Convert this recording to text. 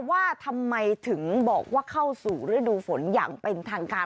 ว่าทำไมถึงบอกว่าเข้าสู่ฤดูฝนอย่างเป็นทางการ